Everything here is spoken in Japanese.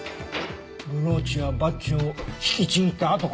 ブローチやバッジを引きちぎった跡かな？